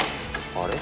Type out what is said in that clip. あれ？